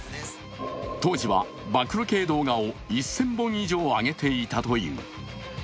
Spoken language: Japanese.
当時は暴露系動画を１０００本以上上げていたという。